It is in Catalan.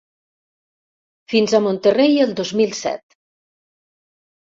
Fins a Monterrey el dos mil set!